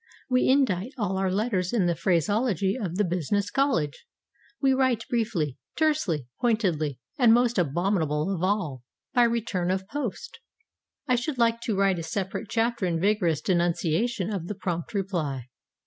We indite all our letters in the phraseology of the business college. We write briefly, tersely, pointedly, and, most abominable of all, by return of post. I should like to write a separate chapter in vigorous denunciation of the prompt reply.